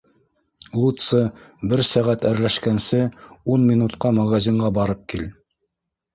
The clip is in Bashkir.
Лутсы, бер сәғәт әрләшкәнсе, ун минутҡа магазинға барып кил.